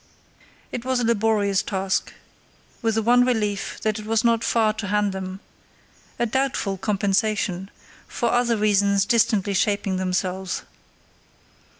It was a laborious task, with the one relief that it was not far to hand them—a doubtful compensation, for other reasons distantly shaping themselves.